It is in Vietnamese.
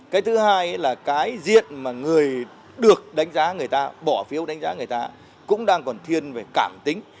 cái thứ hai là cái diện mà người được đánh giá người ta bỏ phiếu đánh giá người ta cũng đang còn thiên về cảm tính